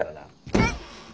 えっ。